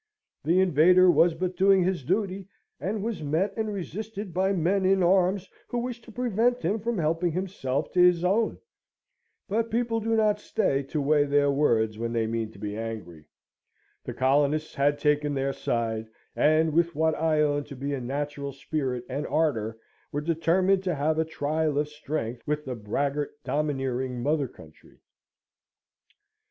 The invader was but doing his duty, and was met and resisted by men in arms, who wished to prevent him from helping himself to his own; but people do not stay to weigh their words when they mean to be angry; the colonists had taken their side; and, with what I own to be a natural spirit and ardour, were determined to have a trial of strength with the braggart domineering mother country.